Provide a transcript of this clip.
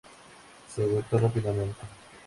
Se agotó rápidamente.